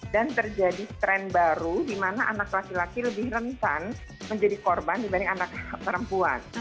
dan terjadi tren baru di mana anak laki laki lebih rempan menjadi korban dibanding anak perempuan